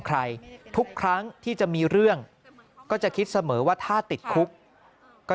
ทุกครั้งที่จะมีเรื่องก็จะคิดเสมอว่าถ้าติดคุกก็